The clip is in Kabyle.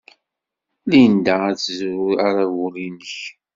Linda ad tezrew aṛabul-nnek.